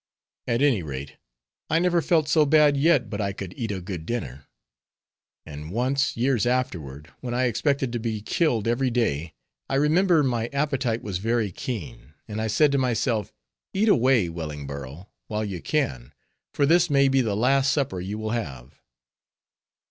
At any rate, I never felt so bad yet but I could eat a good dinner. And once, years afterward, when I expected to be killed every day, I remember my appetite was very keen, and I said to myself, "Eat away, Wellingborough, while you can, for this may be the last supper you will have."